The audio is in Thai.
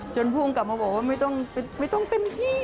ผู้กำกับมาบอกว่าไม่ต้องเต็มที่